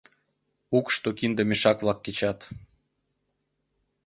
Укшышто кинде мешак-влак кечат.